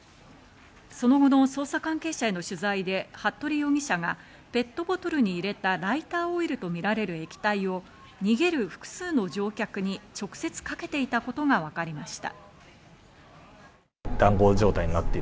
その後の捜査関係者への取材で服部容疑者がペットボトルに入れたライターオイルとみられる液体を逃げる複数の乗客に直接かけていたことがわかりました。